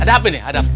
ada apa nih ada